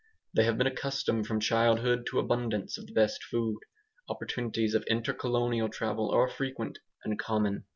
They have been accustomed from childhood to abundance of the best food; opportunities of intercolonial travel are frequent and common.